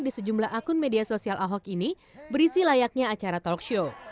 di sejumlah akun media sosial ahok ini berisi layaknya acara talk show